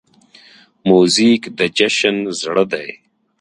موزیک د جشن زړه دی.